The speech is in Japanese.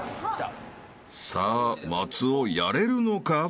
［さあ松尾やれるのか？］